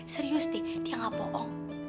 serius deh dia gak bohong